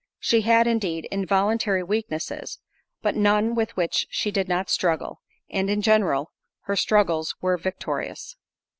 She had, indeed, involuntary weaknesses, but none with which she did not struggle, and, in general, her struggles were victorious.